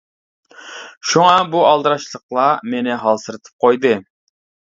شۇڭا، بۇ ئالدىراشچىلىقلار مېنى ھالسىرىتىپ قويدى.